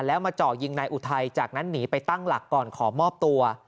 แล้วมาเจาะยิงนายอุทัยจากนั้นหนีไปตั้งหลักก่อนขอมอบตัว